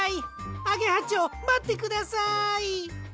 アゲハちょうまってください。